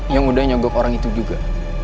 yang udah nyogok orang itu juga